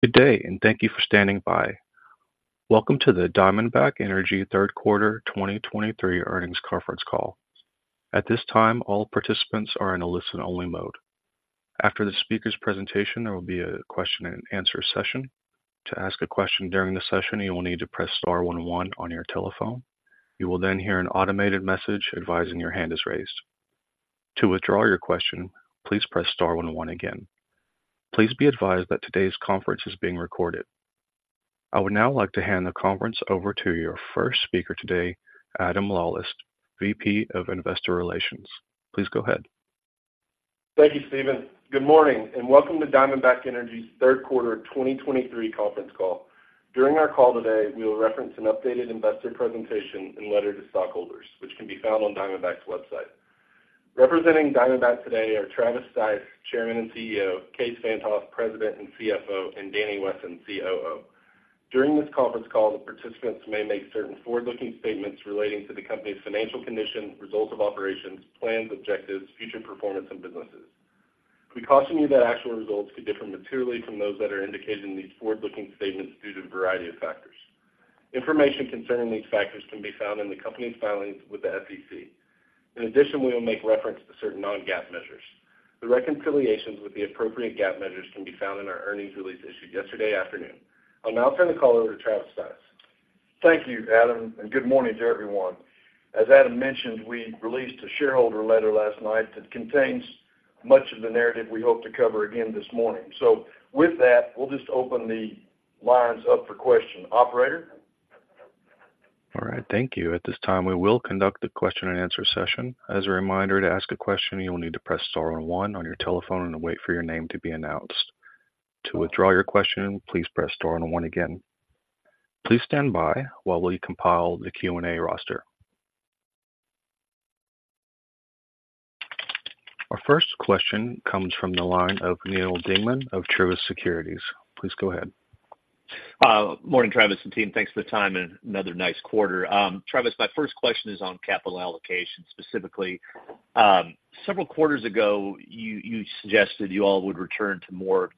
Good day, and thank you for standing by. Welcome to the Diamondback Energy Third Quarter 2023 Earnings Conference Call. At this time, all participants are in a listen-only mode. After the speaker's presentation, there will be a question and answer session. To ask a question during the session, you will need to press star one on your telephone. You will then hear an automated message advising your hand is raised. To withdraw your question, please press star one one again. Please be advised that today's conference is being recorded. I would now like to hand the conference over to your first speaker today, Adam Lawlis, VP of Investor Relations. Please go ahead. Thank you, Steven. Good morning, and welcome to Diamondback Energy's third quarter 2023 conference call. During our call today, we will reference an updated investor presentation and letter to stockholders, which can be found on Diamondback's website. Representing Diamondback today are Travis Stice, Chairman and CEO, Kaes Van't Hof, President and CFO, and Danny Wesson, COO. During this conference call, the participants may make certain forward-looking statements relating to the company's financial condition, results of operations, plans, objectives, future performance, and businesses. We caution you that actual results could differ materially from those that are indicated in these forward-looking statements due to a variety of factors. Information concerning these factors can be found in the company's filings with the SEC. In addition, we will make reference to certain Non-GAAP measures. The reconciliations with the appropriate GAAP measures can be found in our earnings release issued yesterday afternoon. I'll now turn the call over to Travis Stice. Thank you, Adam, and good morning to everyone. As Adam mentioned, we released a shareholder letter last night that contains much of the narrative we hope to cover again this morning. So with that, we'll just open the lines up for questions. Operator? All right, thank you. At this time, we will conduct the question and answer session. As a reminder, to ask a question, you will need to press star one on your telephone and wait for your name to be announced. To withdraw your question, please press star and one again. Please stand by while we compile the Q&A roster. Our first question comes from the line of Neal Dingmann of Truist Securities. Please go ahead. Morning, Travis and team. Thanks for the time and another nice quarter. Travis, my first question is on capital allocation, specifically. Several quarters ago, you, you suggested you all would return to more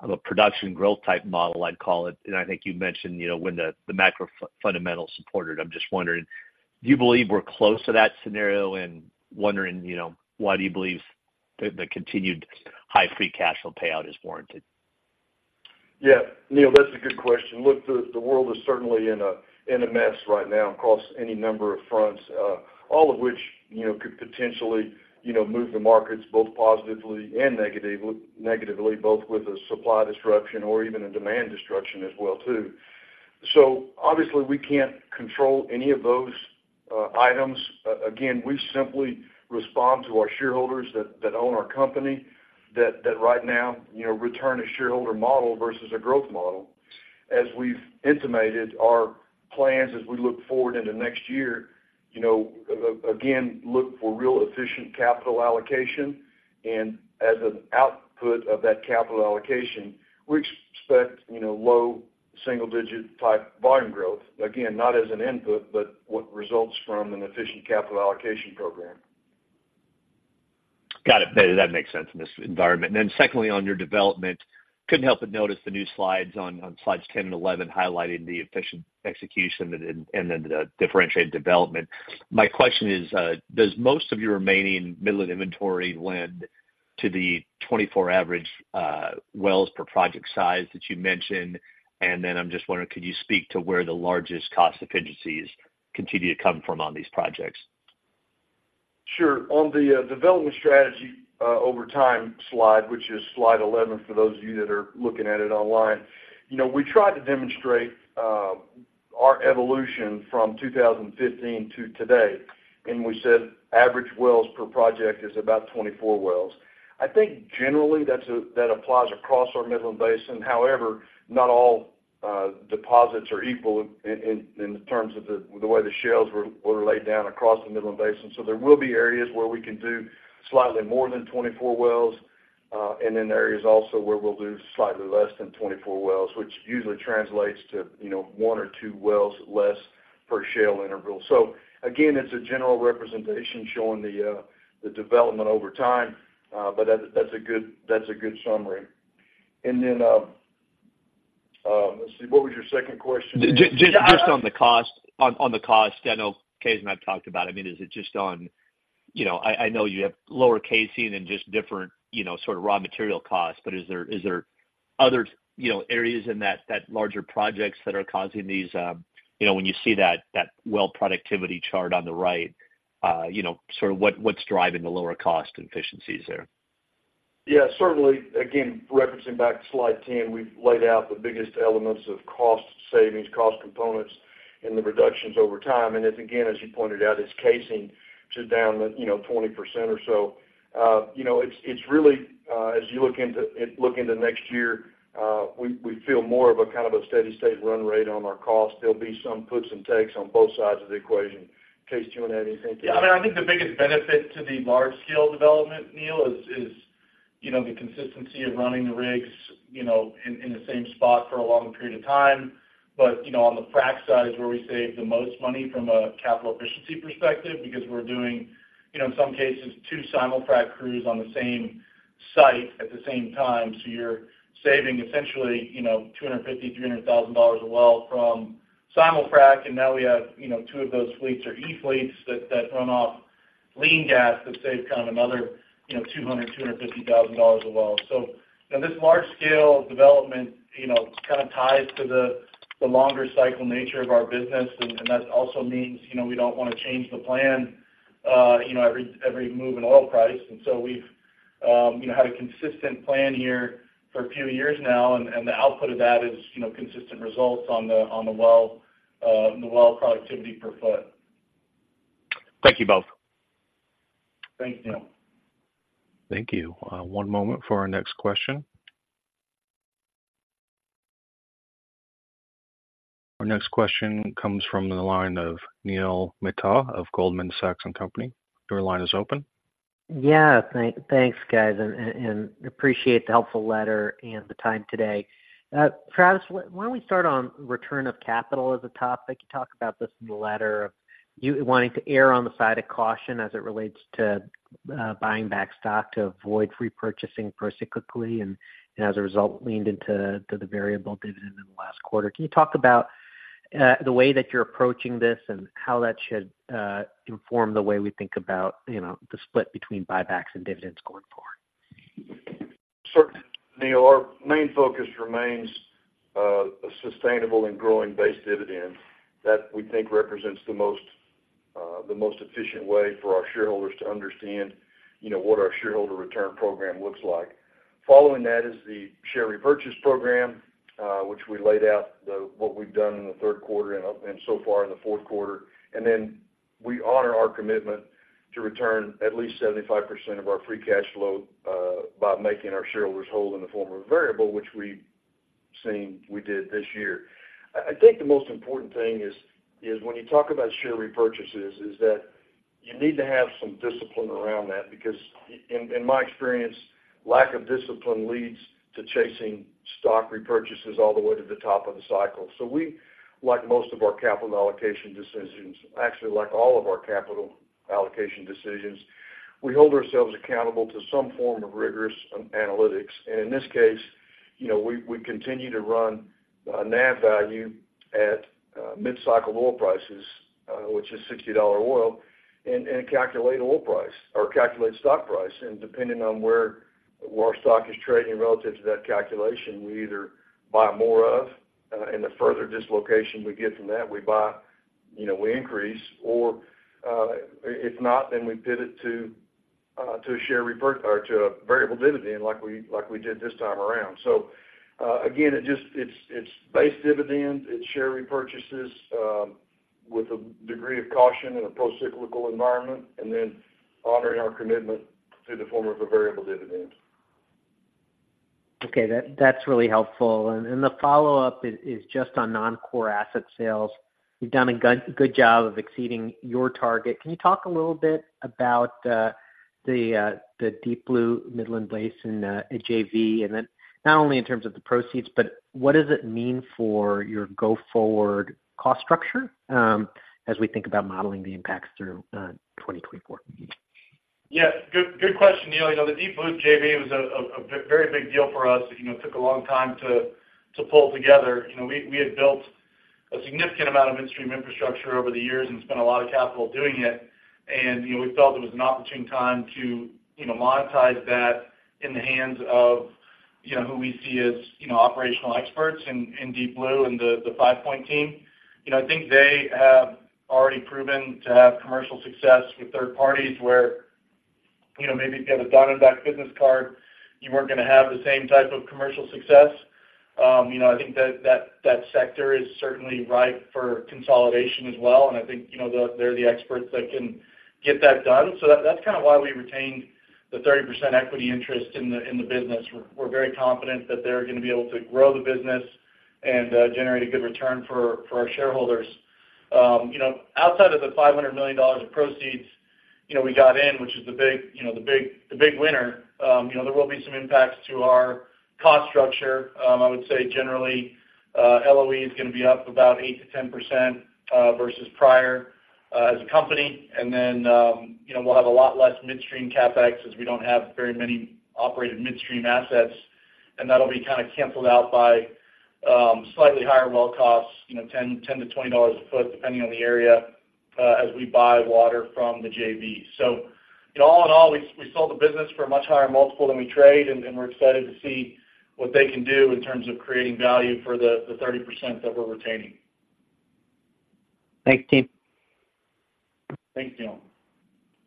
of a production growth type model, I'd call it, and I think you mentioned, you know, when the macro fundamentals supported. I'm just wondering, do you believe we're close to that scenario? And wondering, you know, why do you believe the continued high free cash flow payout is warranted? Yeah, Neil, that's a good question. Look, the world is certainly in a mess right now across any number of fronts, all of which, you know, could potentially, you know, move the markets both positively and negatively, both with a supply disruption or even a demand disruption as well, too. So obviously, we can't control any of those items. Again, we simply respond to our shareholders that own our company, that right now, you know, return a shareholder model versus a growth model. As we've intimated, our plans as we look forward into next year, you know, again, look for real efficient capital allocation, and as an output of that capital allocation, we expect, you know, low single-digit type volume growth. Again, not as an input, but what results from an efficient capital allocation program. Got it. That makes sense in this environment. And then secondly, on your development, couldn't help but notice the new slides on Slides 10 and Slides 11 highlighting the efficient execution and then the differentiated development. My question is, does most of your remaining Midland inventory lend to the 24 average, wells per project size that you mentioned? And then I'm just wondering, could you speak to where the largest cost efficiencies continue to come from on these projects? Sure. On the development strategy over time slide, which is Slide 11, for those of you that are looking at it online, you know, we tried to demonstrate our evolution from 2015 to today, and we said average wells per project is about 24 wells. I think generally that's that applies across our Midland Basin. However, not all deposits are equal in terms of the way the shales were laid down across the Midland Basin. So there will be areas where we can do slightly more than 24 wells, and then areas also where we'll do slightly less than 24 wells, which usually translates to, you know, one or two wells less per shale interval. So again, it's a general representation showing the development over time, but that's a good, that's a good summary. And then, let's see, what was your second question? Just on the cost. I know Kaes and I have talked about it. I mean, is it just on... You know, I know you have lower casing and just different, you know, sort of raw material costs, but is there other, you know, areas in that larger projects that are causing these, you know, when you see that well productivity chart on the right, you know, sort of what's driving the lower cost efficiencies there? Yeah, certainly. Again, referencing back to Slide 10, we've laid out the biggest elements of cost savings, cost components and the reductions over time. And it's, again, as you pointed out, it's casing to down the, you know, 20% or so. You know, it's, it's really, as you look into it, look into next year, we, we feel more of a kind of a steady state run rate on our costs. There'll be some puts and takes on both sides of the equation. Kaes, do you want to add anything to that? Yeah, I mean, I think the biggest benefit to the large-scale development, Neil, is, you know, the consistency of running the rigs, you know, in, in the same spot for a long period of time. But, you know, on the frack side is where we save the most money from a capital efficiency perspective, because we're doing, you know, in some cases, two simulfrac crews on the same site at the same time. So you're saving essentially, you know, $250,000-$300,000 a well from-... simulfrac, and now we have, you know, two of those fleets or E-fleets that run off lean gas that save kind of another, you know, $200,000-$250,000 a well. So, and this large scale development, you know, kind of ties to the longer cycle nature of our business, and that also means, you know, we don't want to change the plan, you know, every move in oil price. And so we've had a consistent plan here for a few years now, and the output of that is, you know, consistent results on the well, the well productivity per foot. Thank you, both. Thanks, Neil. Thank you. One moment for our next question. Our next question comes from the line of Neil Mehta of Goldman Sachs and Company. Your line is open. Yeah. Thanks, guys, and appreciate the helpful letter and the time today. Travis, why don't we start on return of capital as a topic? You talk about this in the letter of you wanting to err on the side of caution as it relates to buying back stock to avoid repurchasing procyclically, and as a result, leaned into the variable dividend in the last quarter. Can you talk about the way that you're approaching this and how that should inform the way we think about, you know, the split between buybacks and dividends going forward? Sure. Neil, our main focus remains a sustainable and growing base dividend that we think represents the most efficient way for our shareholders to understand, you know, what our shareholder return program looks like. Following that is the share repurchase program, which we laid out, what we've done in the third quarter and so far in the fourth quarter. And then we honor our commitment to return at least 75% of our free cash flow by making our shareholders whole in the form of a variable, which we've seen, we did this year. I think the most important thing is when you talk about share repurchases, is that you need to have some discipline around that, because in my experience, lack of discipline leads to chasing stock repurchases all the way to the top of the cycle. So we, like most of our capital allocation decisions, actually, like all of our capital allocation decisions, we hold ourselves accountable to some form of rigorous analytics. And in this Kaes, you know, we continue to run a NAV value at mid-cycle oil prices, which is $60 oil, and calculate oil price or calculate stock price. And depending on where our stock is trading relative to that calculation, we either buy more of, and the further dislocation we get from that, we buy, you know, we increase, or, if not, then we pivot to a share revert- or to a variable dividend like we, like we did this time around. So, again, it's base dividends, it's share repurchases, with a degree of caution in a procyclical environment, and then honoring our commitment to the form of a variable dividend. Okay, that's really helpful. The follow-up is just on non-core asset sales. You've done a good job of exceeding your target. Can you talk a little bit about the Deep Blue Midland Basin JV? And then not only in terms of the proceeds, but what does it mean for your go-forward cost structure, as we think about modeling the impacts through 2024? Yeah, good, good question, Neil. You know, the Deep Blue JV was a very big deal for us. You know, it took a long time to pull together. You know, we had built a significant amount of midstream infrastructure over the years and spent a lot of capital doing it. And, you know, we felt it was an opportune time to, you know, monetize that in the hands of, you know, who we see as, you know, operational experts in Deep Blue and the Five Point team. You know, I think they have already proven to have commercial success with third parties, where, you know, maybe if you had a Diamondback business card, you weren't gonna have the same type of commercial success. You know, I think that sector is certainly ripe for consolidation as well, and I think, you know, they're the experts that can get that done. So that's kind of why we retained the 30% equity interest in the business. We're very confident that they're gonna be able to grow the business and generate a good return for our shareholders. You know, outside of the $500 million of proceeds we got in, which is the big winner, you know, there will be some impacts to our cost structure. I would say generally, LOE is gonna be up about 8%-10% versus prior as a company. And then, you know, we'll have a lot less midstream CapEx, as we don't have very many operated midstream assets, and that'll be kind of canceled out by slightly higher well costs, you know, $10-$20 a foot, depending on the area, as we buy water from the JV. So, you know, all in all, we sold the business for a much higher multiple than we trade, and we're excited to see what they can do in terms of creating value for the 30% that we're retaining. Thanks, team. Thanks, Neil. All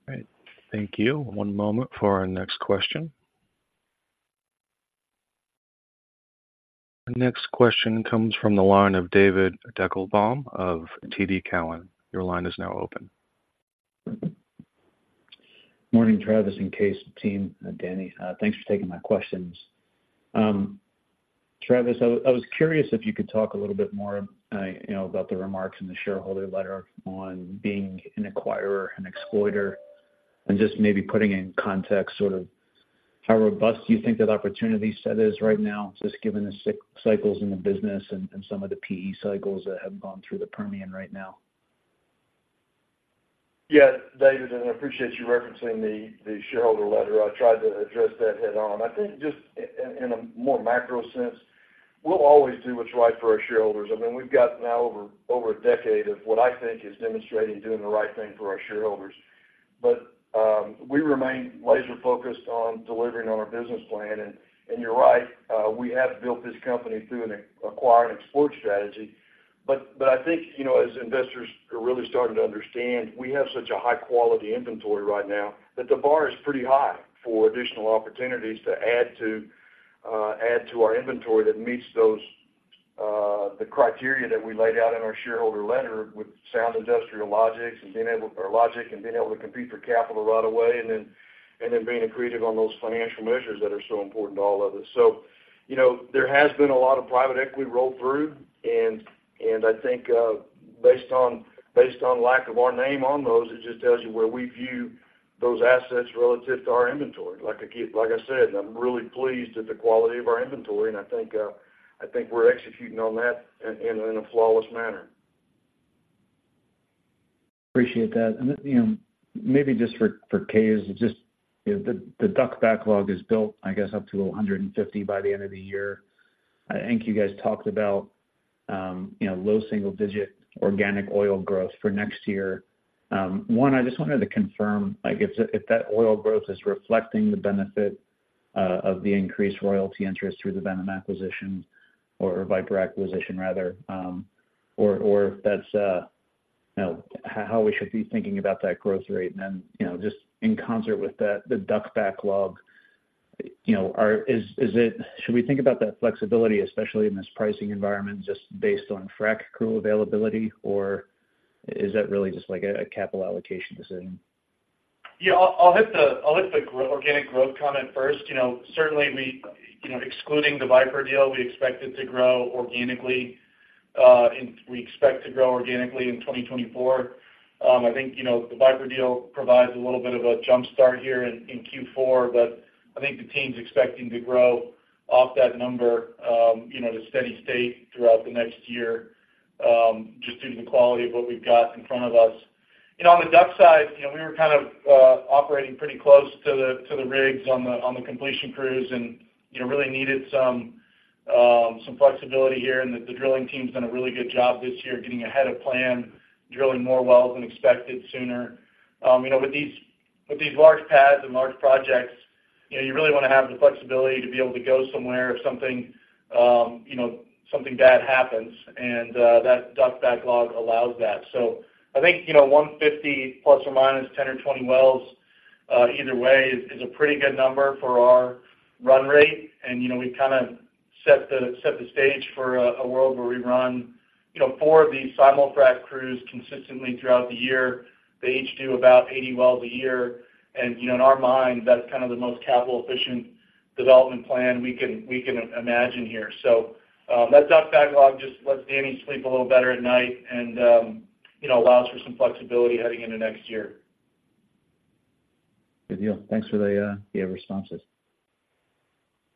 right. Thank you. One moment for our next question. Our next question comes from the line of David Deckelbaum of TD Cowen. Your line is now open. Morning, Travis and Kaes team, Danny. Thanks for taking my questions. Travis, I was curious if you could talk a little bit more, you know, about the remarks in the shareholder letter on being an acquirer, an exploiter, and just maybe putting in context sort of how robust you think that opportunity set is right now, just given the cycles in the business and some of the PE cycles that have gone through the Permian right now? Yeah, David, and I appreciate you referencing the shareholder letter. I tried to address that head-on. I think just in a more macro sense, we'll always do what's right for our shareholders. I mean, we've got now over a decade of what I think is demonstrating doing the right thing for our shareholders. But, we remain laser focused on delivering on our business plan. And, and you're right, we have built this company through an acquire and exploit strategy. But, but I think, you know, as investors are really starting to understand, we have such a high quality inventory right now, that the bar is pretty high for additional opportunities to add to, add to our inventory that meets those, the criteria that we laid out in our shareholder letter with sound industrial logic, and being able to compete for capital right away, and then, and then being accretive on those financial measures that are so important to all of us. So, you know, there has been a lot of private equity roll through, and I think, based on lack of our name on those, it just tells you where we view those assets relative to our inventory. Like I keep, like I said, I'm really pleased at the quality of our inventory, and I think we're executing on that in a flawless manner. Appreciate that. And then, you know, maybe just for Kaes, you know, the DUC backlog is built, I guess, up to 150 by the end of the year. I think you guys talked about, you know, low single-digit organic oil growth for next year. I just wanted to confirm, like, if that oil growth is reflecting the benefit of the increased royalty interest through the Viper acquisition rather, or if that's, you know, how we should be thinking about that growth rate. And then, you know, just in concert with that, the DUC backlog, you know, is it... Should we think about that flexibility, especially in this pricing environment, just based on frack crew availability, or is that really just like a capital allocation decision? Yeah, I'll hit the organic growth comment first. You know, certainly, excluding the Viper deal, we expect it to grow organically in 2024. I think, you know, the Viper deal provides a little bit of a jump start here in Q4, but I think the team's expecting to grow off that number, you know, to steady state throughout the next year, just due to the quality of what we've got in front of us. You know, on the DUC side, you know, we were kind of operating pretty close to the rigs on the completion crews and, you know, really needed some flexibility here. The drilling team's done a really good job this year, getting ahead of plan, drilling more wells than expected sooner. You know, with these large pads and large projects, you know, you really want to have the flexibility to be able to go somewhere if something, you know, something bad happens, and that DUC backlog allows that. So I think, you know, 150 plus or minus 10 wells or 20 wells, either way, is a pretty good number for our run rate. And, you know, we've kind of set the stage for a world where we run, you know, four of these simulfrac crews consistently throughout the year. They each do about 80 wells a year, and, you know, in our mind, that's kind of the most capital efficient development plan we can imagine here. That DUC backlog just lets Danny sleep a little better at night and, you know, allows for some flexibility heading into next year. Good deal. Thanks for the responses.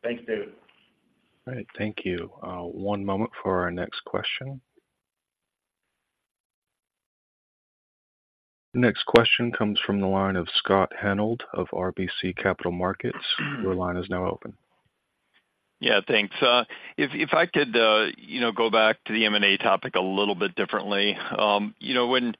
Thanks, David. All right. Thank you. One moment for our next question. Next question comes from the line of Scott Hanold of RBC Capital Markets. Your line is now open. Yeah, thanks. If I could, you know, go back to the M&A topic a little bit differently. You know, when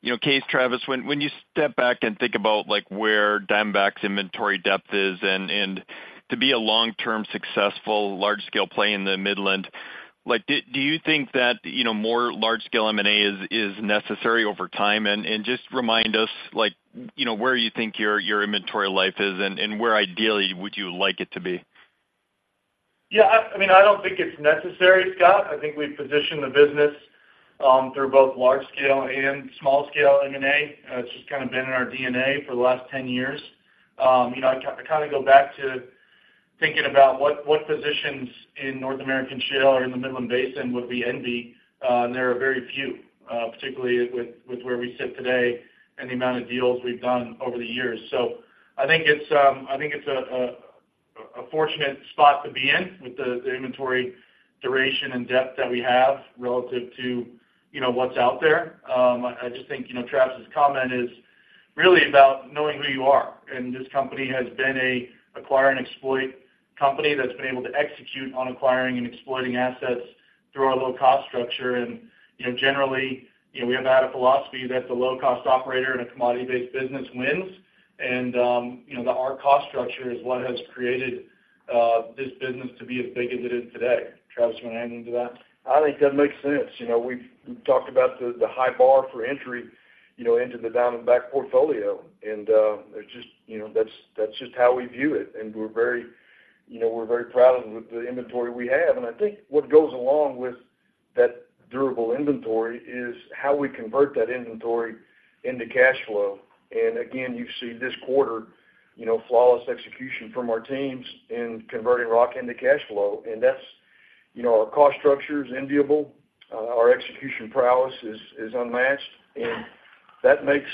you know, Kaes, Travis, when you step back and think about, like, where Diamondback's inventory depth is and to be a long-term, successful, large-scale play in the Midland, like, do you think that, you know, more large-scale M&A is necessary over time? And just remind us, like, you know, where you think your inventory life is, and where ideally would you like it to be? Yeah, I mean, I don't think it's necessary, Scott. I think we've positioned the business through both large scale and small scale M&A. It's just kind of been in our DNA for the last 10 years. You know, I kind of go back to thinking about what positions in North American shale or in the Midland Basin would we envy? And there are very few, particularly with where we sit today and the amount of deals we've done over the years. So I think it's a fortunate spot to be in with the inventory duration and depth that we have relative to, you know, what's out there. I just think, you know, Travis's comment is really about knowing who you are, and this company has been a acquire and exploit company that's been able to execute on acquiring and exploiting assets through our low-cost structure. And, you know, generally, you know, we have had a philosophy that the low-cost operator in a commodity-based business wins. And, you know, our cost structure is what has created this business to be as big as it is today. Travis, you want to add anything to that? I think that makes sense. You know, we've talked about the high bar for entry, you know, into the Diamondback portfolio, and it's just, you know, that's just how we view it. And we're very, you know, we're very proud of the inventory we have. And I think what goes along with that durable inventory is how we convert that inventory into cash flow. And again, you've seen this quarter, you know, flawless execution from our teams in converting rock into cash flow. And that's, you know, our cost structure is enviable, our execution prowess is unmatched, and that makes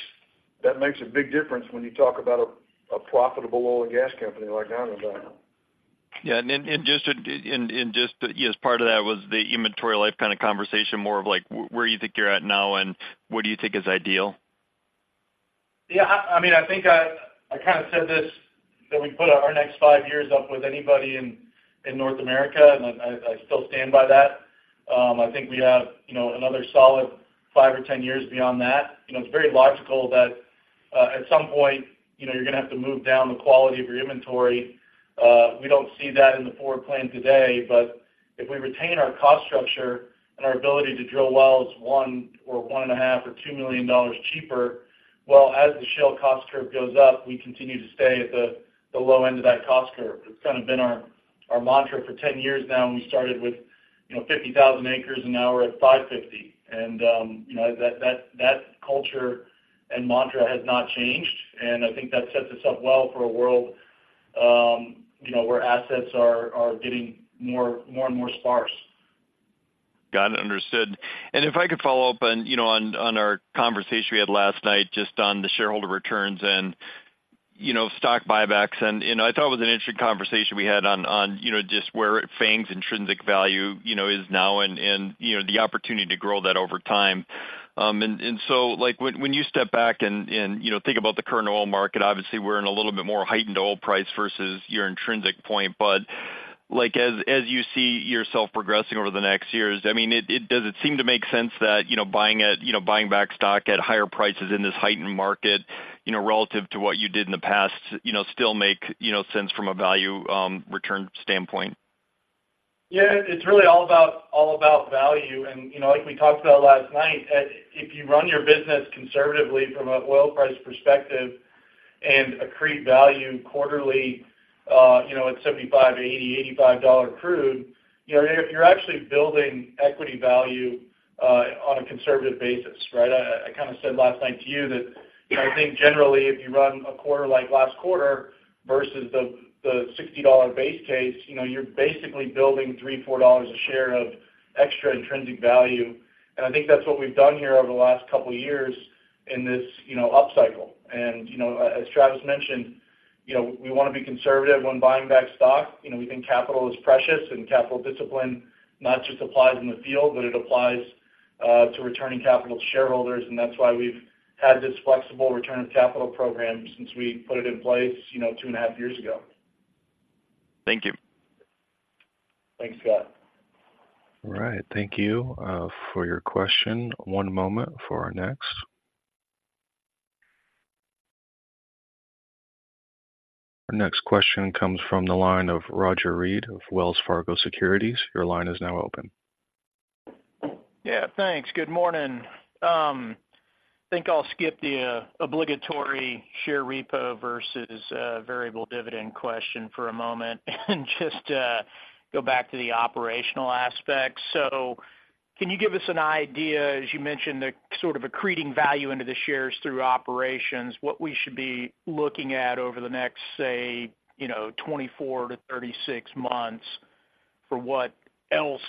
a big difference when you talk about a profitable oil and gas company like Diamondback.... Yeah, and just as part of that was the inventory life kind of conversation, more of like where you think you're at now, and what do you think is ideal? Yeah, I mean, I think I kind of said this, that we put our next five years up with anybody in North America, and I still stand by that. I think we have, you know, another solid five or ten years beyond that. You know, it's very logical that at some point, you know, you're gonna have to move down the quality of your inventory. We don't see that in the forward plan today, but if we retain our cost structure and our ability to drill wells $1 million or $1.5 million or $2 million cheaper, well, as the shale cost curve goes up, we continue to stay at the low end of that cost curve. It's kind of been our mantra for 10 years now, and we started with, you know, 50,000 acres, and now we're at 550 acres. And, you know, that culture and mantra has not changed, and I think that sets us up well for a world, you know, where assets are getting more and more sparse. Got it, understood. And if I could follow up on, you know, on our conversation we had last night, just on the shareholder returns and, you know, stock buybacks. And, you know, I thought it was an interesting conversation we had on, you know, just where FANG's intrinsic value, you know, is now and, you know, the opportunity to grow that over time. And so, like, when you step back and, you know, think about the current oil market, obviously, we're in a little bit more heightened oil price versus your intrinsic point. Like, as you see yourself progressing over the next years, I mean, does it seem to make sense that, you know, buying it, you know, buying back stock at higher prices in this heightened market, you know, relative to what you did in the past, you know, still make, you know, sense from a value return standpoint? Yeah, it's really all about, all about value. And, you know, like we talked about last night, if you run your business conservatively from an oil price perspective and accrete value quarterly, you know, at $75, $80, $85 dollar crude, you know, if you're actually building equity value on a conservative basis, right? I kind of said last night to you that I think generally, if you run a quarter like last quarter versus the $60 base Kaes, you know, you're basically building $3-$4 a share of extra intrinsic value. And I think that's what we've done here over the last couple of years in this, you know, upcycle. And, you know, as Travis mentioned, you know, we want to be conservative when buying back stock. You know, we think capital is precious, and capital discipline not just applies in the field, but it applies to returning capital to shareholders. That's why we've had this flexible return of capital program since we put it in place, you know, two and a half years ago. Thank you. Thanks, Scott. All right, thank you, for your question. One moment for our next. Our next question comes from the line of Roger Read of Wells Fargo Securities. Your line is now open. Yeah, thanks. Good morning. I think I'll skip the obligatory share repo versus variable dividend question for a moment and just go back to the operational aspect. So can you give us an idea, as you mentioned, the sort of accreting value into the shares through operations, what we should be looking at over the next, say, you know, 24 months-36 months, for what else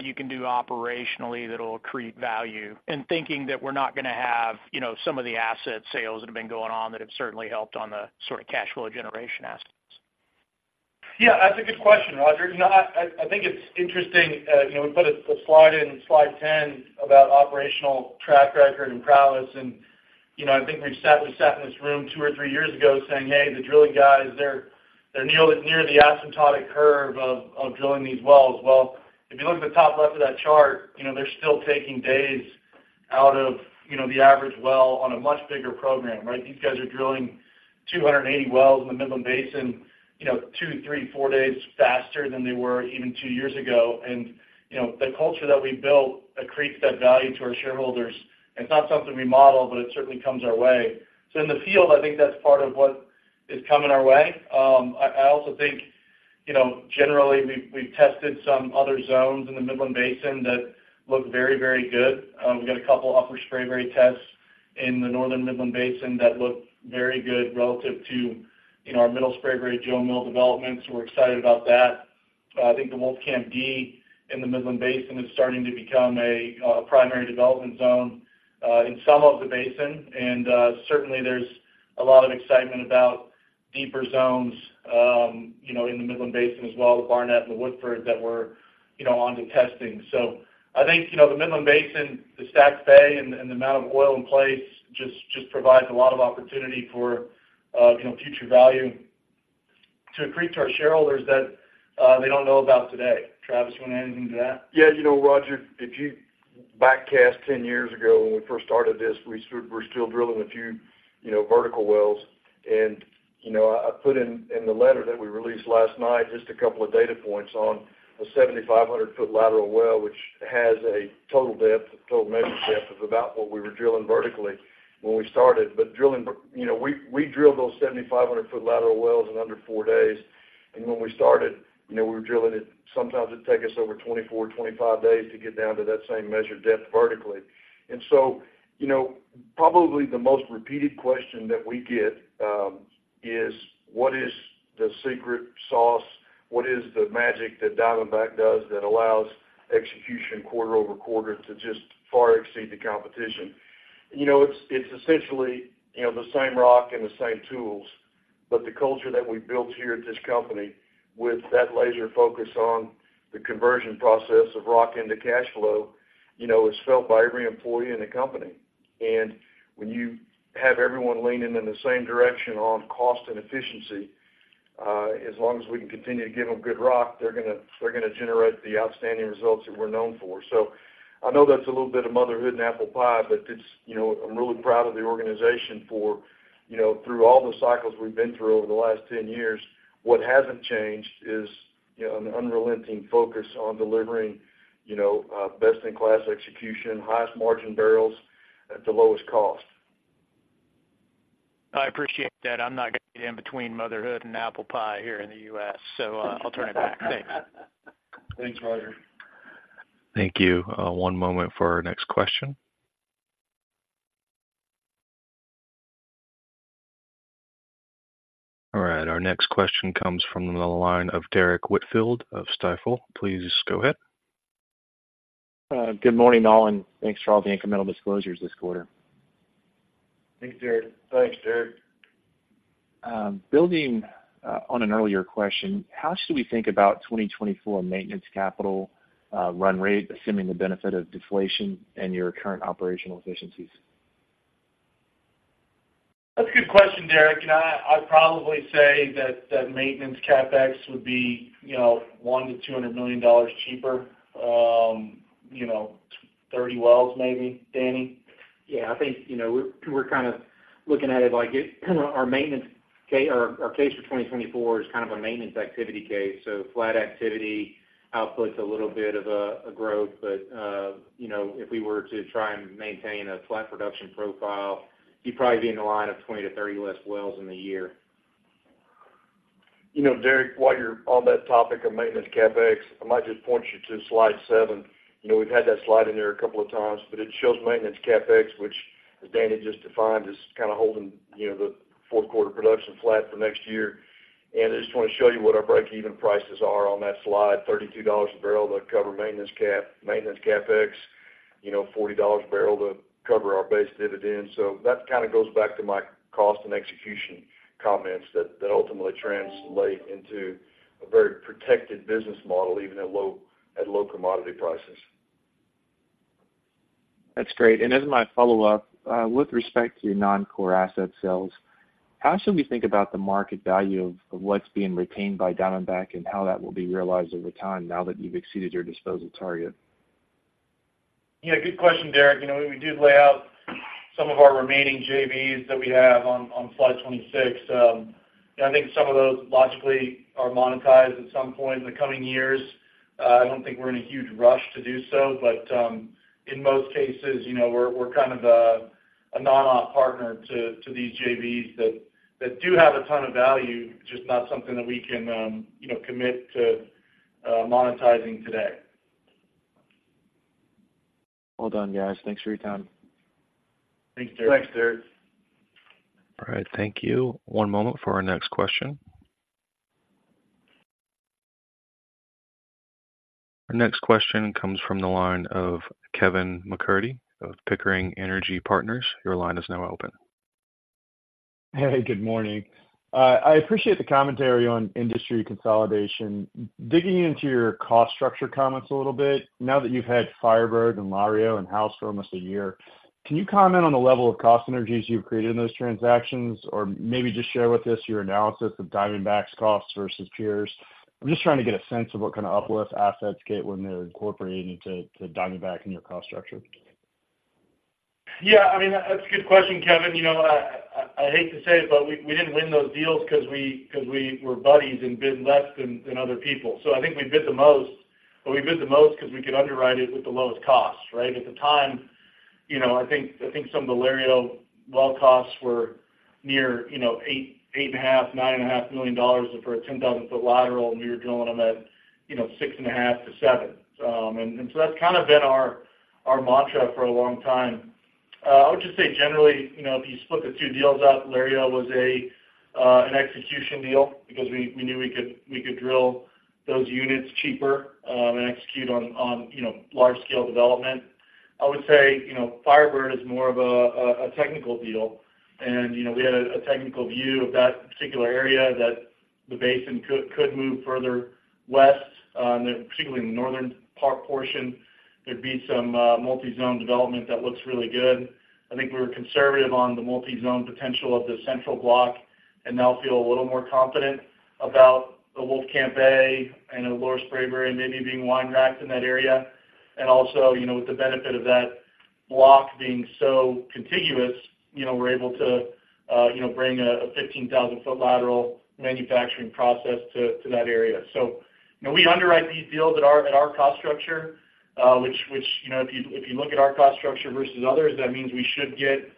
you can do operationally that'll accrete value? And thinking that we're not gonna have, you know, some of the asset sales that have been going on, that have certainly helped on the sort of cash flow generation aspects. Yeah, that's a good question, Roger. You know, I think it's interesting. You know, we put a slide in Slide 10 about operational track record and prowess. And, you know, I think we sat in this room two or three years ago saying, "Hey, the drilling guys, they're near the asymptotic curve of drilling these wells." Well, if you look at the top left of that chart, you know, they're still taking days out of, you know, the average well on a much bigger program, right? These guys are drilling 280 wells in the Midland Basin, you know, two, three, four days faster than they were even two years ago. And, you know, the culture that we built accretes that value to our shareholders. It's not something we model, but it certainly comes our way. So in the field, I think that's part of what is coming our way. I also think, you know, generally, we've tested some other zones in the Midland Basin that look very, very good. We've got a couple Upper Spraberry tests in the northern Midland Basin that look very good relative to, you know, our Middle Spraberry Jo Mill developments. We're excited about that. I think the Wolfcamp D in the Midland Basin is starting to become a primary development zone in some of the basin. And certainly there's a lot of excitement about deeper zones, you know, in the Midland Basin as well, the Barnett and the Woodford, that we're on to testing. So I think, you know, the Midland Basin, the stack play and the amount of oil in place just provides a lot of opportunity for, you know, future value to accrete to our shareholders that they don't know about today. Travis, you want to add anything to that? Yeah, you know, Roger, if you backcast 10 years ago when we first started this, we're still drilling a few, you know, vertical wells. And, you know, I put in the letter that we released last night, just a couple of data points on a 7,500-foot lateral well, which has a total depth, total measured depth of about what we were drilling vertically when we started. But drilling, you know, we drilled those 7,500-foot lateral wells in under four days. And when we started, you know, we were drilling it, sometimes it'd take us over 24 days, 25 days to get down to that same measured depth vertically. And so, you know, probably the most repeated question that we get is: What is the secret sauce? What is the magic that Diamondback does that allows execution quarter-over-quarter to just far exceed the competition? ... You know, it's, it's essentially, you know, the same rock and the same tools, but the culture that we've built here at this company, with that laser focus on the conversion process of rock into cash flow, you know, is felt by every employee in the company. And when you have everyone leaning in the same direction on cost and efficiency, as long as we can continue to give them good rock, they're gonna, they're gonna generate the outstanding results that we're known for. So I know that's a little bit of motherhood and apple pie, but it's, you know, I'm really proud of the organization for, you know, through all the cycles we've been through over the last 10 years, what hasn't changed is, you know, an unrelenting focus on delivering, you know, best-in-class execution, highest margin barrels at the lowest cost. I appreciate that. I'm not going to get in between motherhood and apple pie here in the U.S., so, I'll turn it back. Thanks. Thanks, Roger. Thank you. One moment for our next question. All right, our next question comes from the line of Derek Whitfield of Stifel. Please go ahead. Good morning, all, and thanks for all the incremental disclosures this quarter. Thanks, Derek. Thanks, Derek. Building on an earlier question, how should we think about 2024 maintenance capital run rate, assuming the benefit of deflation and your current operational efficiencies? That's a good question, Derek. I, I'd probably say that maintenance CapEx would be, you know, $100 million-$200 million cheaper, you know, 30 wells, maybe. Danny? Yeah, I think, you know, we're kind of looking at it like our maintenance—our case for 2024 is kind of a maintenance activity case, so flat activity outputs a little bit of growth. But, you know, if we were to try and maintain a flat production profile, you'd probably be in the line of 20 wells-30 less wells in the year. You know, Derek, while you're on that topic of maintenance CapEx, I might just point you to slide seven. You know, we've had that slide in there a couple of times, but it shows maintenance CapEx, which Danny just defined, as kind of holding, you know, the fourth quarter production flat for next year. I just want to show you what our break-even prices are on that slide, $32 a barrel to cover maintenance CapEx, you know, $40 a barrel to cover our base dividend. That kind of goes back to my cost and execution comments that, that ultimately translate into a very protected business model, even at low, at low commodity prices. That's great. And as my follow-up, with respect to your non-core asset sales, how should we think about the market value of what's being retained by Diamondback and how that will be realized over time now that you've exceeded your disposal target? Yeah, good question, Derek. You know, we do lay out some of our remaining JVs that we have on Slide 26. I think some of those logically are monetized at some point in the coming years. I don't think we're in a huge rush to do so, but in most cases, you know, we're kind of a non-op partner to these JVs that do have a ton of value, just not something that we can, you know, commit to monetizing today. Well done, guys. Thanks for your time. Thanks, Derek. Thanks, Derek. All right, thank you. One moment for our next question. Our next question comes from the line of Kevin McCurdy of Pickering Energy Partners. Your line is now open. Hey, good morning. I appreciate the commentary on industry consolidation. Digging into your cost structure comments a little bit, now that you've had Firebird and Lario and in house for almost a year, can you comment on the level of cost synergies you've created in those transactions? Or maybe just share with us your analysis of Diamondback's costs versus peers. I'm just trying to get a sense of what kind of uplift assets get when they're incorporated into Diamondback in your cost structure. Yeah, I mean, that's a good question, Kevin. You know, I hate to say it, but we didn't win those deals because we were buddies and bid less than other people. So I think we bid the most, but we bid the most because we could underwrite it with the lowest cost, right? At the time, you know, I think some of the Lario well costs were near, you know, $8, $8.5, $9.5 million for a 10,000-foot lateral, and we were drilling them at, you know, $6.5-$7. And so that's kind of been our mantra for a long time. I would just say generally, you know, if you split the two deals up, Lario was an execution deal because we knew we could drill those units cheaper and execute on, you know, large-scale development. I would say, you know, Firebird is more of a technical deal. You know, we had a technical view of that particular area that the basin could move further west and particularly in the northern portion, there'd be some multi-zone development that looks really good. I think we were conservative on the multi-zone potential of the central block and now feel a little more confident about the Wolfcamp A and Lower Spraberry maybe being wine racked in that area. Also, you know, with the benefit of that block being so contiguous, you know, we're able to, you know, bring a 15,000-foot lateral manufacturing process to that area. So you know, we underwrite these deals at our cost structure, which, you know, if you look at our cost structure versus others, that means we should get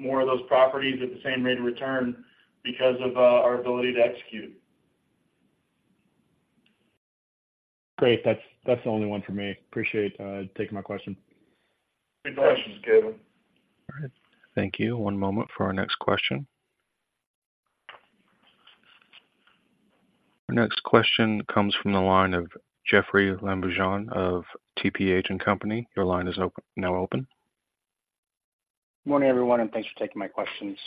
more of those properties at the same rate of return because of our ability to execute. Great. That's, that's the only one for me. Appreciate taking my question. Great questions, Kevin. All right. Thank you. One moment for our next question. Our next question comes from the line of Jeoffrey Lambujon of TPH and Company. Your line is now open. Good morning, everyone, and thanks for taking my questions.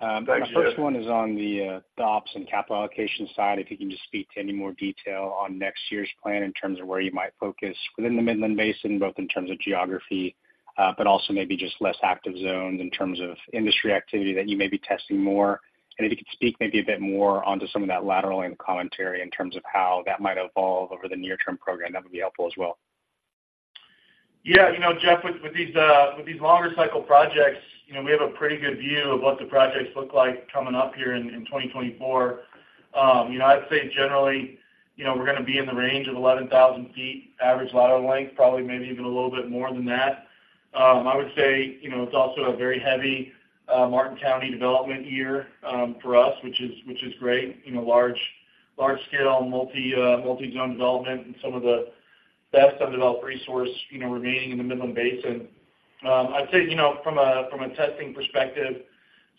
Thanks, Jeff. My first one is on the, the ops and capital allocation side. If you can just speak to any more detail on next year's plan in terms of where you might focus within the Midland Basin, both in terms of geography, but also maybe just less active zones in terms of industry activity that you may be testing more. And if you could speak maybe a bit more onto some of that lateral end commentary in terms of how that might evolve over the near-term program, that would be helpful as well. Yeah, you know, Jeff, with these longer cycle projects, you know, we have a pretty good view of what the projects look like coming up here in 2024. You know, I'd say generally, you know, we're gonna be in the range of 11,000 feet average lateral length, probably maybe even a little bit more than that. I would say, you know, it's also a very heavy Martin County development year for us, which is great. You know, large scale multi-zone development and some of the best undeveloped resource, you know, remaining in the Midland Basin. I'd say, you know, from a testing perspective,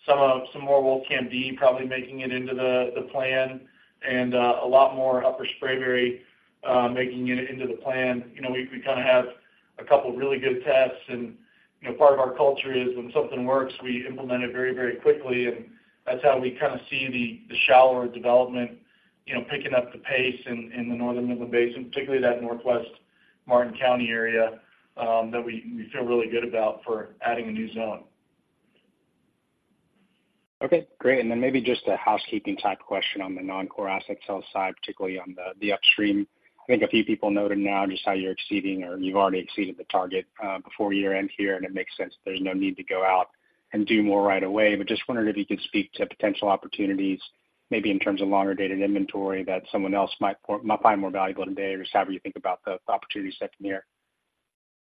some more Wolfcamp D probably making it into the plan and a lot more Upper Spraberry making it into the plan. You know, we kind of have a couple of really good tests and, you know, part of our culture is when something works, we implement it very, very quickly, and that's how we kind of see the shallower development, you know, picking up the pace in the northern Midland Basin, particularly that Northwest Martin County area, that we feel really good about for adding a new zone. Okay, great. Then maybe just a housekeeping type question on the non-core asset sale side, particularly on the upstream. I think a few people noted now just how you're exceeding or you've already exceeded the target before year-end here, and it makes sense there's no need to go out and do more right away. But just wondering if you could speak to potential opportunities, maybe in terms of longer dated inventory, that someone else might find more valuable today, or just how you think about the opportunities that are near?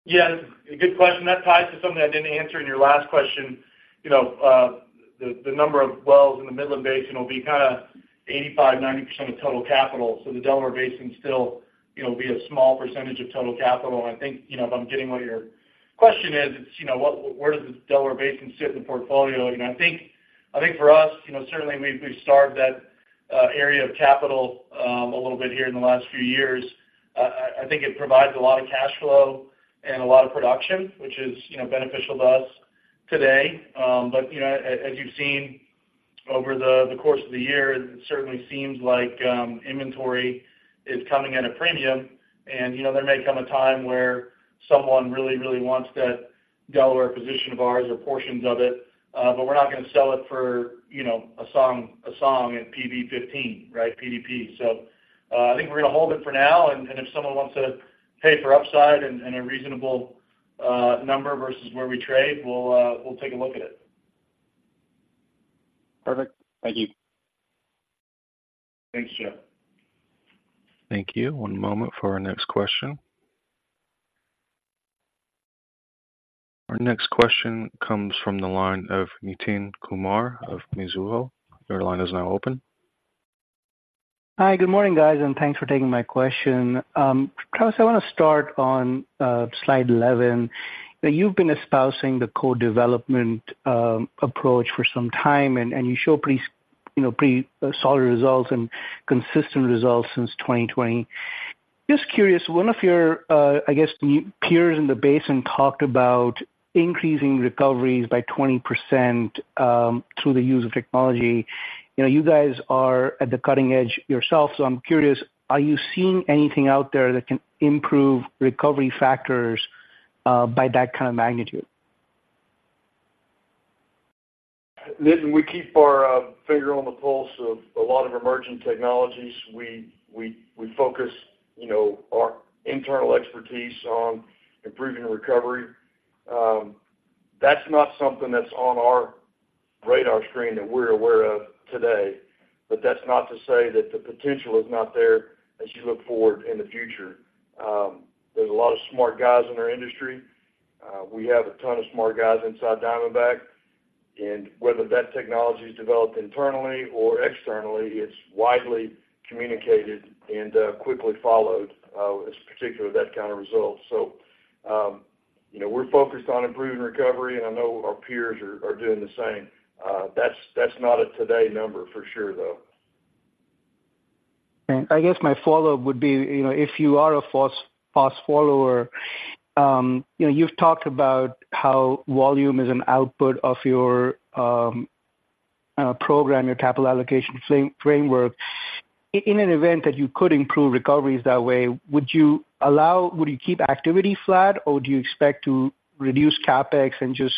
Yeah, a good question. That ties to something I didn't answer in your last question. You know, the number of wells in the Midland Basin will be kind of 85%-90% of total capital. So the Delaware Basin still, you know, will be a small percentage of total capital. And I think, you know, if I'm getting what your question is, it's, you know, what, where does the Delaware Basin sit in the portfolio? You know, I think, I think for us, you know, certainly we've starved that area of capital a little bit here in the last few years. I think it provides a lot of cash flow and a lot of production, which is, you know, beneficial to us today. But, you know, as you've seen over the course of the year, it certainly seems like inventory is coming at a premium. And, you know, there may come a time where someone really wants that Delaware position of ours or portions of it, but we're not gonna sell it for, you know, a song at PV-15, right? PDP. So, I think we're gonna hold it for now, and if someone wants to pay for upside and a reasonable number versus where we trade, we'll take a look at it. Perfect. Thank you. Thanks, Jeff. Thank you. One moment for our next question. Our next question comes from the line of Nitin Kumar of Mizuho. Your line is now open. Hi, good morning, guys, and thanks for taking my question. Travis, I wanna start on slide 11. You've been espousing the co-development approach for some time, and you show pretty, you know, pretty solid results and consistent results since 2020. Just curious, one of your, I guess, peers in the basin talked about increasing recoveries by 20%, through the use of technology. You know, you guys are at the cutting edge yourself, so I'm curious, are you seeing anything out there that can improve recovery factors by that kind of magnitude? Nitin, we keep our finger on the pulse of a lot of emerging technologies. We focus, you know, our internal expertise on improving recovery. That's not something that's on our radar screen that we're aware of today, but that's not to say that the potential is not there as you look forward in the future. There's a lot of smart guys in our industry. We have a ton of smart guys inside Diamondback, and whether that technology is developed internally or externally, it's widely communicated and quickly followed, especially with that kind of result. So, you know, we're focused on improving recovery, and I know our peers are doing the same. That's not a today number for sure, though. I guess my follow-up would be, you know, if you are a fast, fast follower, you know, you've talked about how volume is an output of your program, your capital allocation framework. In an event that you could improve recoveries that way, would you keep activity flat, or do you expect to reduce CapEx and just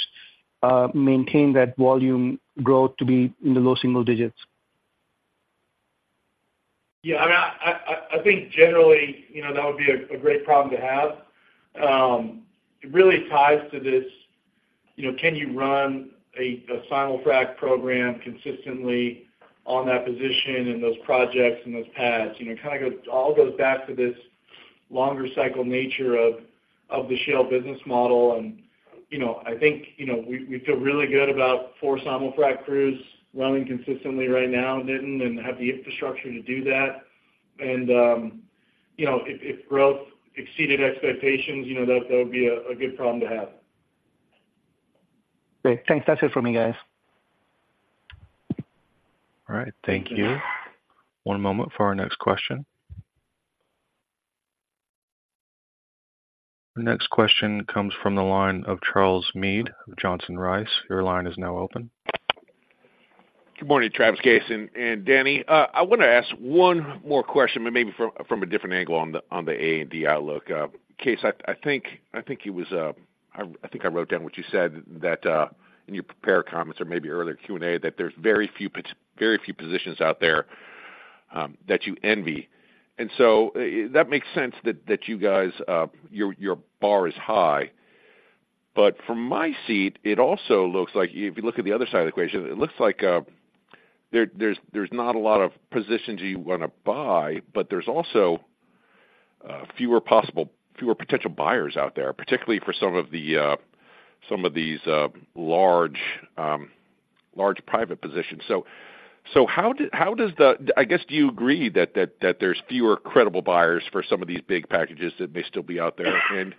maintain that volume growth to be in the low single digits? Yeah, I mean, I think generally, you know, that would be a great problem to have. It really ties to this, you know, can you run a simulfrac program consistently on that position and those projects and those pads? You know, it kind of goes, all goes back to this longer cycle nature of the shale business model. And, you know, I think, you know, we feel really good about four simulfrac crews running consistently right now, Nitin, and have the infrastructure to do that. And, you know, if growth exceeded expectations, you know, that would be a good problem to have.... Great, thanks. That's it for me, guys. All right, thank you. One moment for our next question. The next question comes from the line of Charles Meade of Johnson Rice. Your line is now open. Good morning, Travis, Kaes, and Danny. I wanna ask one more question, but maybe from a different angle on the A&D outlook. Kaes, I think it was in your prepared comments or maybe earlier Q&A, that there's very few positions out there that you envy. And so, that makes sense that you guys your bar is high. But from my seat, it also looks like if you look at the other side of the equation, it looks like there's not a lot of positions you wanna buy, but there's also fewer potential buyers out there, particularly for some of these large private positions. So, how does the... I guess, do you agree that there's fewer credible buyers for some of these big packages that may still be out there?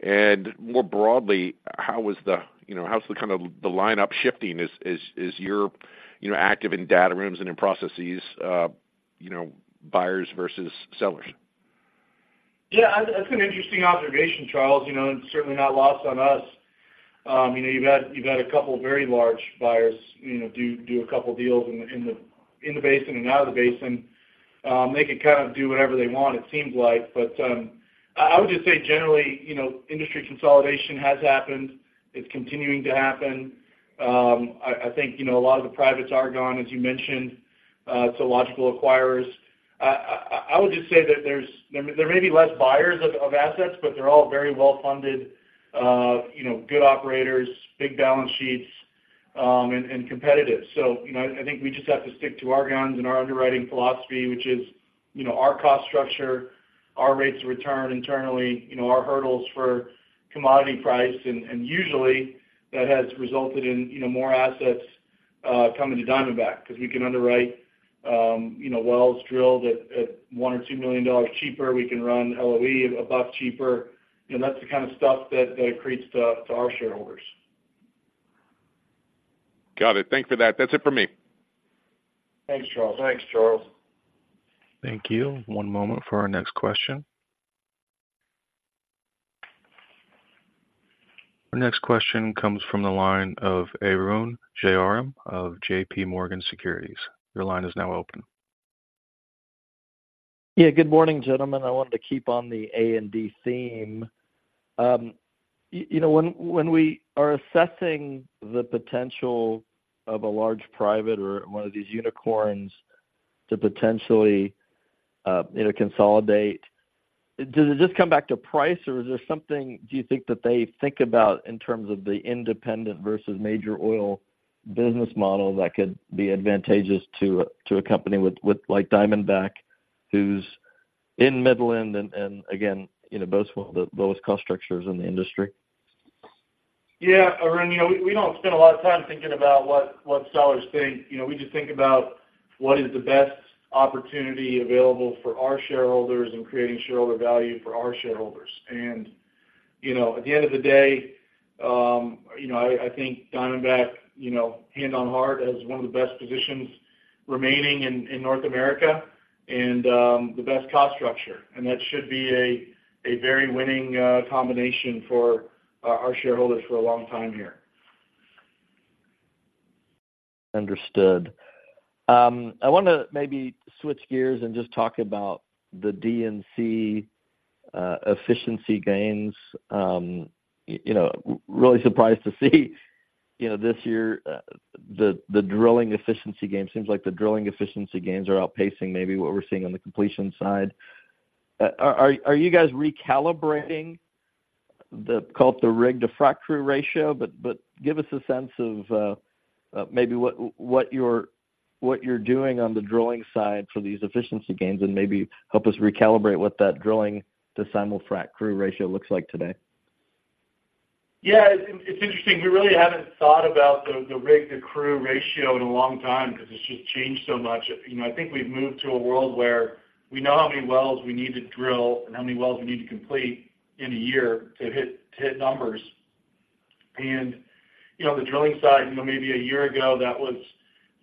And more broadly, how is the, you know, how's the kind of the lineup shifting? Is your, you know, active in data rooms and in processes, you know, buyers versus sellers? Yeah, that's an interesting observation, Charles. You know, it's certainly not lost on us. You know, you've had a couple of very large buyers, you know, do a couple deals in the basin and out of the basin. They can kind of do whatever they want, it seems like. But I would just say generally, you know, industry consolidation has happened. It's continuing to happen. I think, you know, a lot of the privates are gone, as you mentioned, to logical acquirers. I would just say that there may be less buyers of assets, but they're all very well-funded, you know, good operators, big balance sheets, and competitive. You know, I think we just have to stick to our guns and our underwriting philosophy, which is, you know, our cost structure, our rates of return internally, you know, our hurdles for commodity price, and usually, that has resulted in, you know, more assets coming to Diamondback because we can underwrite, you know, wells drilled at $1 million-$2 million cheaper. We can run LOE $1 cheaper, and that's the kind of stuff that accretes to our shareholders. Got it. Thanks for that. That's it for me. Thanks, Charles. Thanks, Charles. Thank you. One moment for our next question. Our next question comes from the line of Arun Jayaram of JP Morgan Securities. Your line is now open. Yeah, good morning, gentlemen. I wanted to keep on the A&D theme. You know, when we are assessing the potential of a large private or one of these unicorns to potentially, you know, consolidate, does it just come back to price, or is there something, do you think, that they think about in terms of the independent versus major oil business model that could be advantageous to a company with like Diamondback, who's in Midland and again, you know, boasts one of the lowest cost structures in the industry? Yeah, Arun, you know, we don't spend a lot of time thinking about what sellers think. You know, we just think about what is the best opportunity available for our shareholders and creating shareholder value for our shareholders. You know, at the end of the day, you know, I think Diamondback, you know, hand on heart, has one of the best positions remaining in North America and the best cost structure, and that should be a very winning combination for our shareholders for a long time here. Understood. I wanna maybe switch gears and just talk about the DUC, efficiency gains. You know, really surprised to see, you know, this year, the drilling efficiency gains. Seems like the drilling efficiency gains are outpacing maybe what we're seeing on the completion side. Are you guys recalibrating the, call it, the rig to frac crew ratio? But give us a sense of, maybe what you're doing on the drilling side for these efficiency gains, and maybe help us recalibrate what that drilling to simulfrac crew ratio looks like today. Yeah, it's interesting. We really haven't thought about the rig to crew ratio in a long time because it's just changed so much. You know, I think we've moved to a world where we know how many wells we need to drill and how many wells we need to complete in a year to hit, to hit numbers. And, you know, the drilling side, you know, maybe a year ago, that was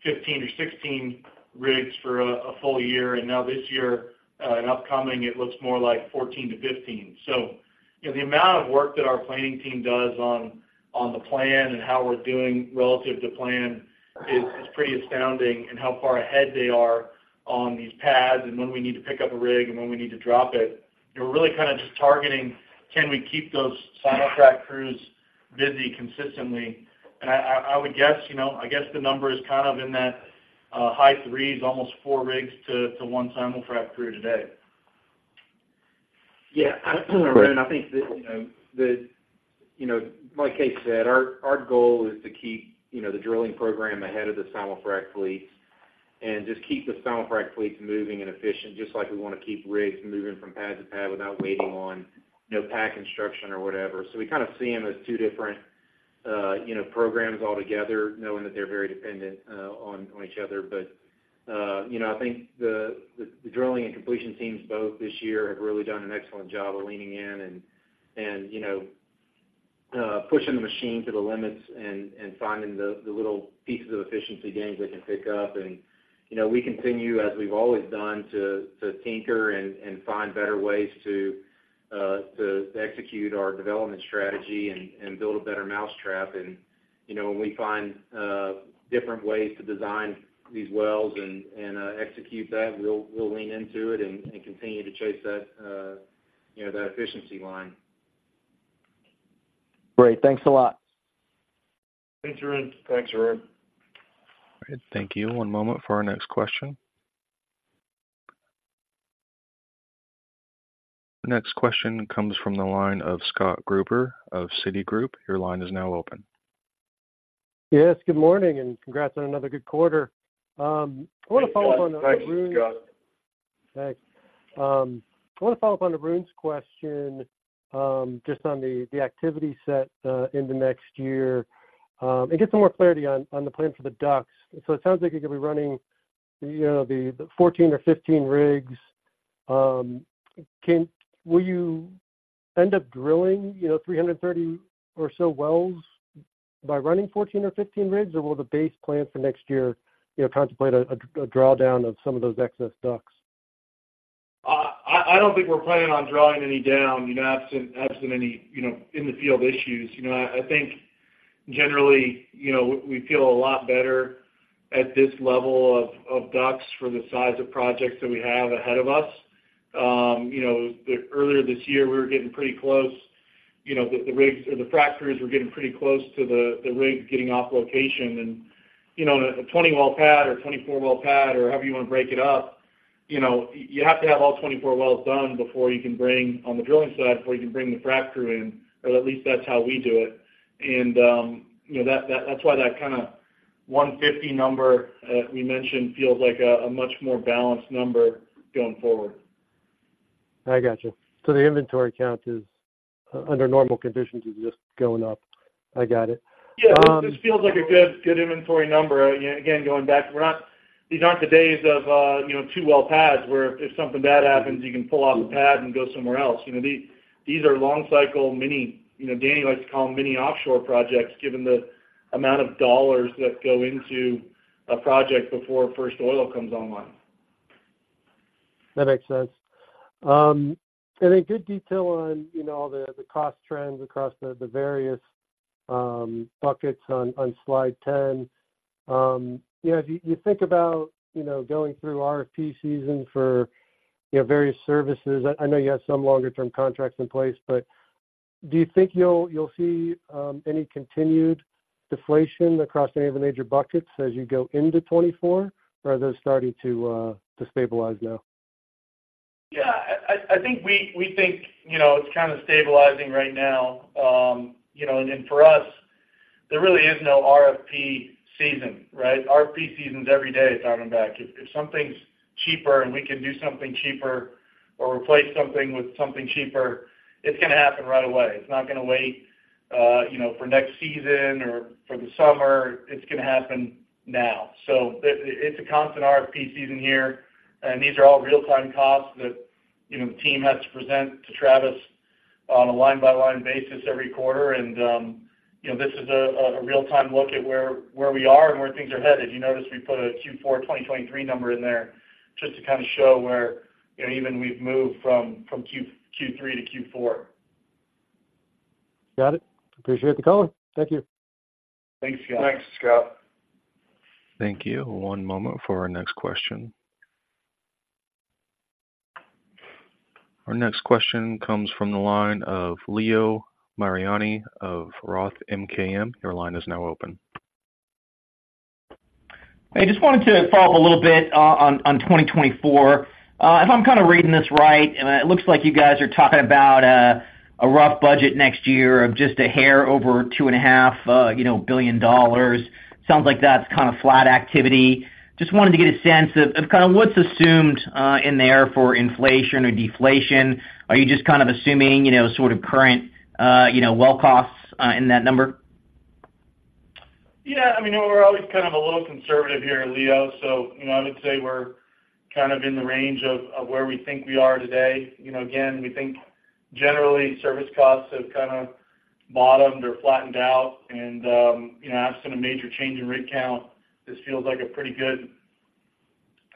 15 rigs or 16 rigs for a full year, and now this year and upcoming, it looks more like 14 rigs-15 rigs. So, you know, the amount of work that our planning team does on the plan and how we're doing relative to plan is pretty astounding, and how far ahead they are on these pads and when we need to pick up a rig and when we need to drop it. We're really kind of just targeting, can we keep those simulfrac crews busy consistently? And I would guess, you know, I guess the number is kind of in that high threes, almost four rigs to one simulfrac crew today. Yeah, Arun, I think that, you know, that, you know, like Kaes said, our, our goal is to keep, you know, the drilling program ahead of the simulfrac fleets and just keep the simulfrac fleets moving and efficient, just like we wanna keep rigs moving from pad to pad without waiting on no pad construction or whatever. So we kind of see them as two different, you know, programs altogether, knowing that they're very dependent on each other. You know, I think the drilling and completion teams both this year have really done an excellent job of leaning in and, you know, pushing the machine to the limits and finding the little pieces of efficiency gains they can pick up. And, you know, we continue, as we've always done, to tinker and find better ways to execute our development strategy and build a better mousetrap. And, you know, when we find different ways to design these wells and execute that, we'll lean into it and continue to chase that, you know, that efficiency line. Great. Thanks a lot. Thanks, Arun. Thanks, Arun. Great. Thank you. One moment for our next question. The next question comes from the line of Scott Gruber of Citigroup. Your line is now open. Yes, good morning, and congrats on another good quarter. I want to follow up on Arun- Thanks, Scott. Thanks. I want to follow up on Arun's question, just on the activity set in the next year, and get some more clarity on the plan for the DUCs. So it sounds like you're going to be running, you know, the 14 rigs or 15 rigs. Will you end up drilling, you know, 300 wells or so wells by running 14 rigs or 15 rigs? Or will the base plan for next year, you know, contemplate a drawdown of some of those excess DUCs? I don't think we're planning on drawing any down, you know, absent any, you know, in the field issues. You know, I think generally, you know, we feel a lot better at this level of DUCs for the size of projects that we have ahead of us. You know, the earlier this year, we were getting pretty close. You know, the rigs or the frac crews were getting pretty close to the rigs getting off location. And, you know, a 20-well pad or 24-well pad, or however you want to break it up, you know, you have to have all 24 wells done before you can bring, on the drilling side, before you can bring the frac crew in, or at least that's how we do it. You know, that's why that kind of 150 number we mentioned feels like a much more balanced number going forward. I got you. So the inventory count is, under normal conditions, is just going up. I got it. Yeah, this feels like a good, good inventory number. Again, going back, we're not—these aren't the days of, you know, two well pads, where if something bad happens, you can pull off a pad and go somewhere else. You know, these, these are long cycle, mini. You know, Danny likes to call them mini offshore projects, given the amount of dollars that go into a project before first oil comes online. That makes sense. And a good detail on, you know, the, the cost trends across the, the various, buckets on, on slide 10. You know, as you think about, you know, going through RFP season for, you know, various services, I know you have some longer term contracts in place, but do you think you'll see any continued deflation across any of the major buckets as you go into 2024, or are those starting to to stabilize now? Yeah, I think we think, you know, it's kind of stabilizing right now. You know, and then for us, there really is no RFP season, right? RFP season is every day at Diamondback. If something's cheaper and we can do something cheaper or replace something with something cheaper, it's going to happen right away. It's not going to wait, you know, for next season or for the summer. It's going to happen now. So it's a constant RFP season here, and these are all real-time costs that, you know, the team has to present to Travis on a line-by-line basis every quarter. And, you know, this is a real-time look at where we are and where things are headed. You notice we put a Q4 2023 number in there just to kind of show where, you know, even we've moved from Q3-Q4. Got it. Appreciate the color. Thank you. Thanks, Scott. Thanks, Scott. Thank you. One moment for our next question. Our next question comes from the line of Leo Mariani of Roth MKM. Your line is now open. I just wanted to follow up a little bit on 2024. If I'm kind of reading this right, and it looks like you guys are talking about a rough budget next year of just a hair over $2.5 billion. Sounds like that's kind of flat activity. Just wanted to get a sense of kind of what's assumed in there for inflation or deflation. Are you just kind of assuming, you know, sort of current well costs in that number? Yeah, I mean, we're always kind of a little conservative here, Leo. So, you know, I would say we're kind of in the range of where we think we are today. You know, again, we think generally service costs have kind of bottomed or flattened out. And, you know, absent a major change in rig count, this feels like a pretty good,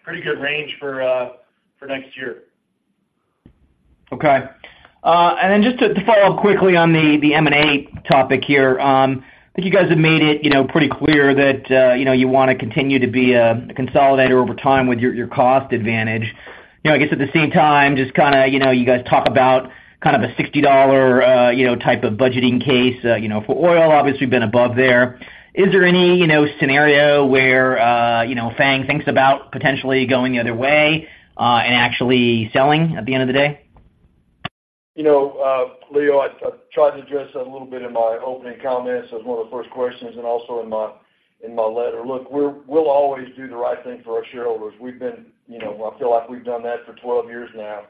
pretty good range for next year. Okay. And then just to follow up quickly on the M&A topic here. I think you guys have made it, you know, pretty clear that, you know, you want to continue to be a consolidator over time with your, your cost advantage. You know, I guess at the same time, just kind of, you know, you guys talk about kind of a $60, you know, type of budgeting case, you know, for oil. Obviously, we've been above there. Is there any, you know, scenario where, you know, FANG thinks about potentially going the other way, and actually selling at the end of the day? You know, Leo, I tried to address that a little bit in my opening comments as one of the first questions and also in my letter. Look, we're, we'll always do the right thing for our shareholders. We've been, you know, I feel like we've done that for 12 years now.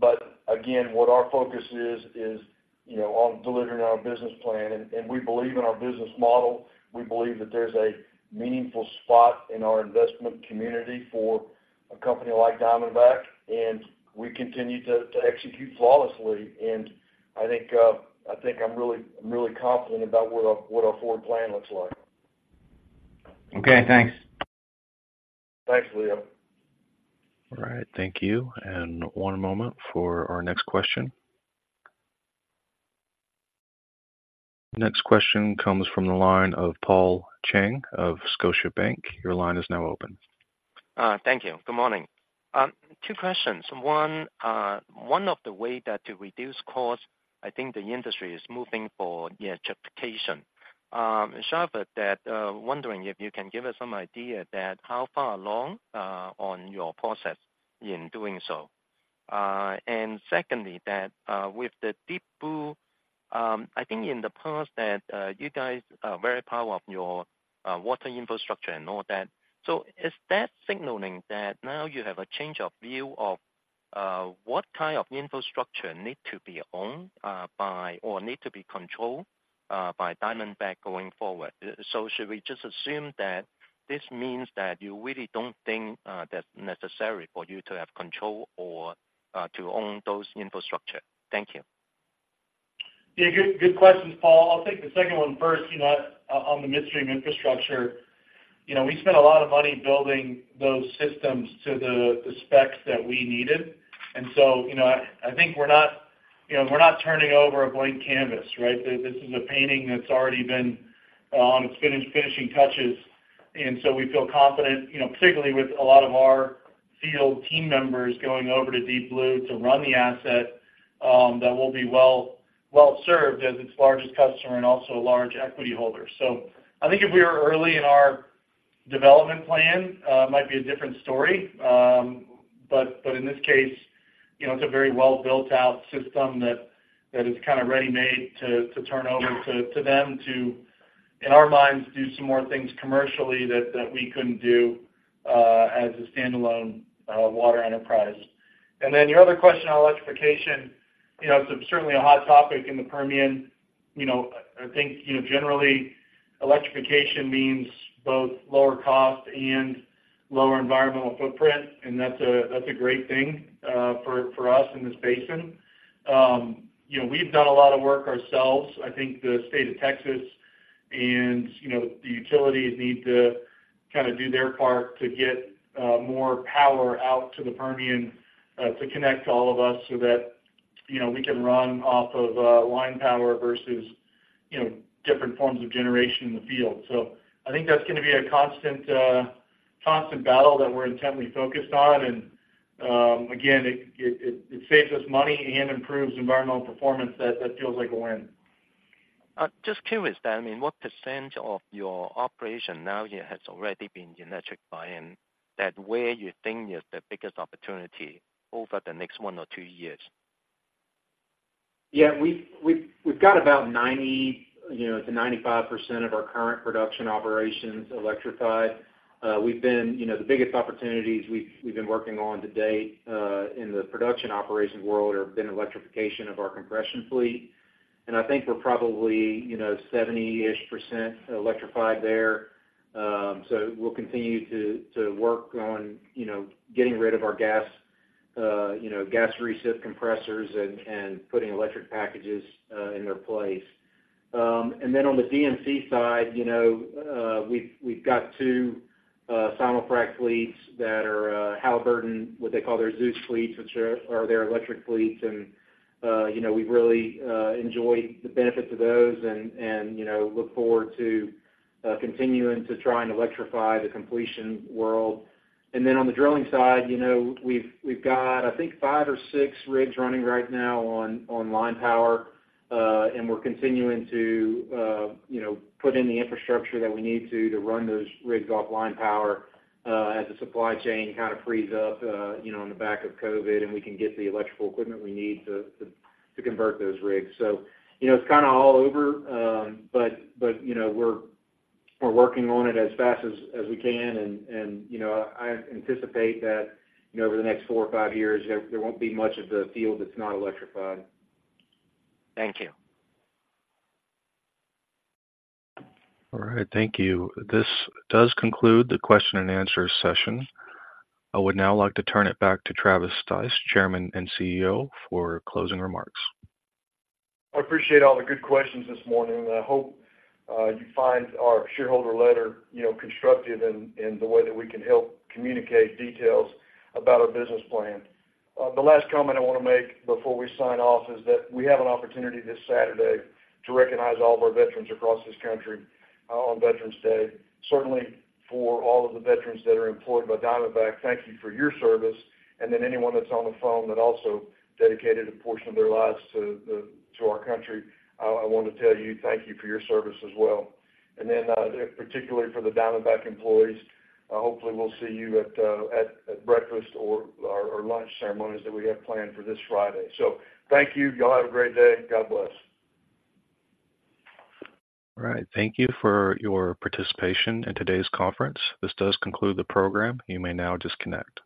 But again, what our focus is, you know, on delivering our business plan, and we believe in our business model. We believe that there's a meaningful spot in our investment community for a company like Diamondback, and we continue to execute flawlessly. And I think, I think I'm really confident about what our forward plan looks like. Okay, thanks. Thanks, Leo. All right, thank you. One moment for our next question. Next question comes from the line of Paul Cheng of Scotiabank. Your line is now open. Thank you. Good morning. Two questions. One, one of the way to reduce costs, I think the industry is moving for the electrification. Simulfrac, wondering if you can give us some idea that how far along on your process in doing so? And secondly, with the Deep Blue, I think in the past you guys are very proud of your water infrastructure and all that. So is that signaling that now you have a change of view of what kind of infrastructure need to be owned by or need to be controlled by Diamondback going forward? So should we just assume that this means that you really don't think that's necessary for you to have control or to own those infrastructure? Thank you. Yeah, good, good questions, Paul. I'll take the second one first, you know, on the midstream infrastructure. You know, we spent a lot of money building those systems to the, the specs that we needed. And so, you know, I think we're not, you know, we're not turning over a blank canvas, right? This is a painting that's already been on, it's finished finishing touches, and so we feel confident, you know, particularly with a lot of our field team members going over to Deep Blue to run the asset, that we'll be well, well-served as its largest customer and also a large equity holder. So I think if we were early in our development plan, it might be a different story. But in this case, you know, it's a very well built out system that is kind of ready-made to turn over to them to, in our minds, do some more things commercially that we couldn't do as a standalone water enterprise. And then your other question on electrification, you know, it's certainly a hot topic in the Permian. You know, I think, you know, generally, electrification means both lower cost and lower environmental footprint, and that's a great thing for us in this basin. You know, we've done a lot of work ourselves. I think the state of Texas and, you know, the utilities need to kinda do their part to get more power out to the Permian to connect all of us so that, you know, we can run off of line power versus, you know, different forms of generation in the field. So I think that's gonna be a constant battle that we're intently focused on. And again, it saves us money and improves environmental performance. That feels like a win. Just curious, then, I mean, what % of your operation now here has already been electrified? That where you think is the biggest opportunity over the next one or two years? Yeah, we've got about 90%-95% of our current production operations electrified. You know, the biggest opportunities we've been working on to date in the production operations world have been electrification of our compression fleet, and I think we're probably, you know, 70-ish% electrified there. So we'll continue to work on, you know, getting rid of our gas, you know, gas recip compressors and putting electric packages in their place. And then on the DUC side, you know, we've got two simulfrac fleets that are Halliburton, what they call their Zeus fleets, which are their electric fleets. And, you know, we've really enjoyed the benefits of those and, you know, look forward to continuing to try and electrify the completion world. And then on the drilling side, you know, we've got, I think, five or six rigs running right now on line power. And we're continuing to, you know, put in the infrastructure that we need to run those rigs off line power, as the supply chain kind of frees up, you know, on the back of COVID, and we can get the electrical equipment we need to convert those rigs. So, you know, it's kinda all over, but, you know, we're working on it as fast as we can, and, you know, I anticipate that, you know, over the next four or five years, there won't be much of the field that's not electrified. Thank you. All right, thank you. This does conclude the question and answer session. I would now like to turn it back to Travis Stice, Chairman and CEO, for closing remarks. I appreciate all the good questions this morning, and I hope you find our shareholder letter, you know, constructive in the way that we can help communicate details about our business plan. The last comment I wanna make before we sign off is that we have an opportunity this Saturday to recognize all of our veterans across this country on Veterans Day. Certainly, for all of the veterans that are employed by Diamondback, thank you for your service, and then anyone that's on the phone that also dedicated a portion of their lives to our country, I want to tell you thank you for your service as well. And then, particularly for the Diamondback employees, hopefully we'll see you at breakfast or lunch ceremonies that we have planned for this Friday. So thank you. Y'all have a great day. God bless. All right. Thank you for your participation in today's conference. This does conclude the program. You may now disconnect.